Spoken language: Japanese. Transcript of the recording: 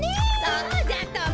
そうじゃとも。